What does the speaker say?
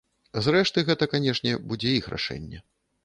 Зрэшты гэта, канешне, будзе іх рашэнне.